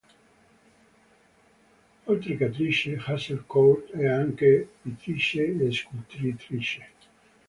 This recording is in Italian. Oltre che attrice, Hazel Court è anche pittrice e scultrice.